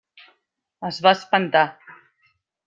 Es va espantar.